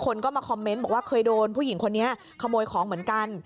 คนก็มาคอมเมนต์บอกว่าเคยโดนผู้หญิงคนนี้ขโมยของเหมือนกัน